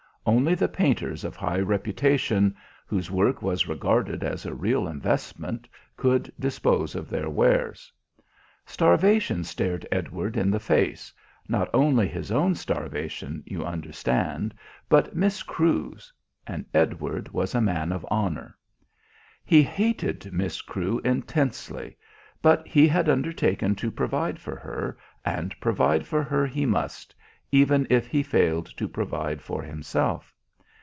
Only the painters of high reputation, whose work was regarded as a real investment, could dispose of their wares. Starvation stared Edward in the face, not only his own starvation, you understand, but Miss Crewe's. And Edward was a man of honour. He hated Miss Crewe intensely, but he had undertaken to provide for her, and provide for her he must even if he failed to provide for himself.